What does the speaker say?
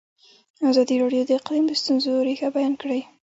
ازادي راډیو د اقلیم د ستونزو رېښه بیان کړې.